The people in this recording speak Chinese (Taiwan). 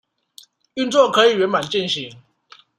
運作可以圓滿進行